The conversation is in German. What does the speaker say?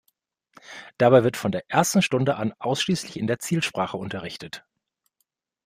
Dabei wird von der ersten Stunde an ausschließlich in der Zielsprache unterrichtet.